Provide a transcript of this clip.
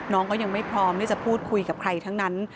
น้องก็ยังไม่พร้อมที่จะพูดคุยกับใครทั้งนั้น